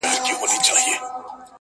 د بل په لاس مار مه وژنه.